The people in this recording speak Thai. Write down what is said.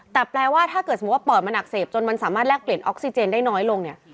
แต่แปลว่าถ้าเกิดสมมุติว่าปอดมันอักเสบจนมันสามารถแลกเปลี่ยนออกซิเจนได้น้อยลงเนี่ย